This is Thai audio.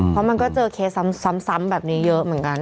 เพราะมันก็เจอเคสซ้ำแบบนี้เยอะเหมือนกัน